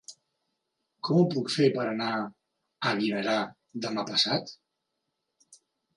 Com ho puc fer per anar a Guimerà demà passat?